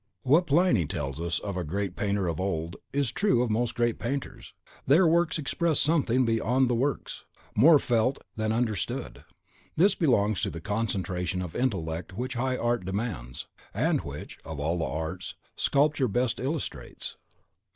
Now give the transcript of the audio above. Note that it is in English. What Pliny tells us of a great painter of old, is true of most great painters; "their works express something beyond the works," "more felt than understood." This belongs to the concentration of intellect which high art demands, and which, of all the arts, sculpture best illustrates.